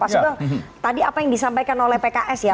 pak sugeng tadi apa yang disampaikan oleh pks ya